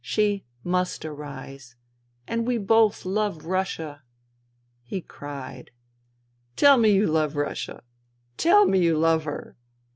She must arise. And we both love Russia." He cried. " Tell me you love Russia. Tell me you love her.